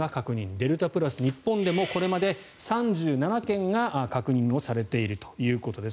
デルタプラス、日本でもこれまで３７件が確認されているということです。